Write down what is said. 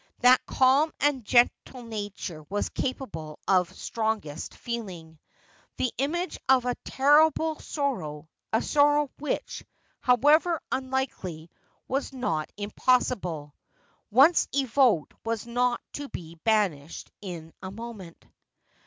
That calm and gentle nature was capable of strongest feeling. The image of a terrible sor row — a sorrow which, however unlikely, was not impossible — once evoked was not to be banished in a moment.